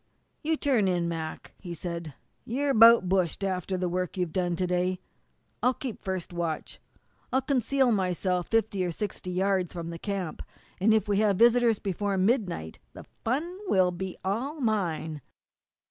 "You turn in, Mac," he said. "You're about bushed after the work you've done to day. I'll keep first watch. I'll conceal myself fifty or sixty yards from camp, and if we have visitors before midnight the fun will all be mine."